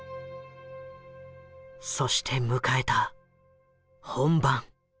そして迎えた本番。